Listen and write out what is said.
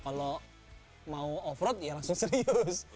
kalau mau off road ya langsung serius